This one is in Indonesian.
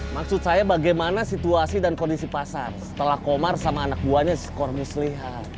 maksud saya bagaimana situasi dan kondisi pasar setelah komar sama anak buahnya skor muslih